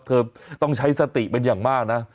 เธอต้องใช้สติเป็นอย่างมากนะ